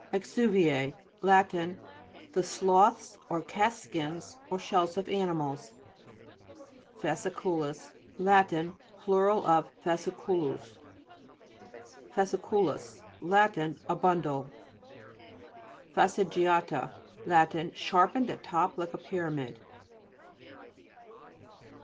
Exu'vi E Lat. The sloughs or cast skins, or shells of animals. FASCI'CUI.IS Lat. Plur.of fasciculus. FASCI'CUI.US Lat. A bundle. FASTIGIA'TA Lat. Sharpened at top like a pyramid.